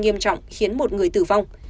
nghiêm trọng khiến một người tử vong